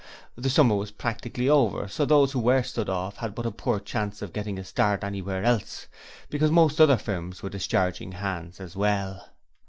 The summer was practically over, so those who were stood off had but a poor chance of getting a start anywhere else, because most other firms were discharging hands as well.